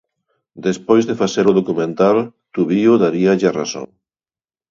Despois de facer o documental, Tubío daríalle a razón.